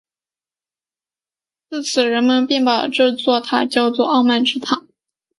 自此人们便把这座塔叫作傲慢之塔。